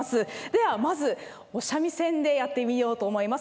ではまずお三味線でやってみようと思います。